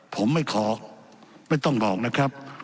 ผมไม่ขอไม่ต้องบอกนะครับ